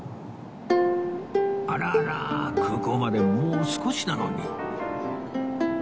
あらら空港までもう少しなのに